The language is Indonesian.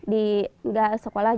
di nggak sekolah